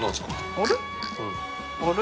あれ？